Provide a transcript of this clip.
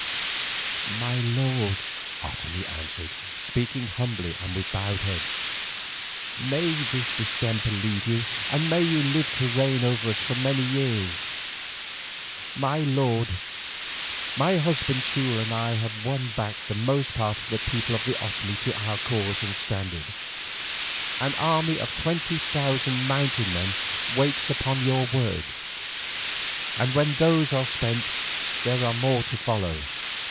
"My lord," Otomie answered, speaking humbly and with bowed head, "may this distemper leave you, and may you live to reign over us for many years! My lord, my husband Teule and I have won back the most part of the people of the Otomie to our cause and standard. An army of twenty thousand mountain men waits upon your word, and when those are spent there are more to follow."